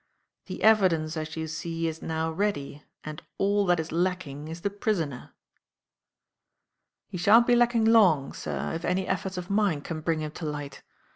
The evidence, as you see, is now ready, and all that is lacking is the prisoner." "He shan't be lacking long, sir, if any efforts of mine can bring him to light.